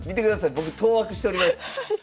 僕当惑しております。